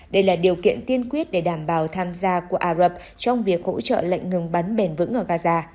đây là điều kiện tiên quyết để đảm bảo tham gia của ả rập trong việc hỗ trợ lệnh ngừng bắn bền vững ở gaza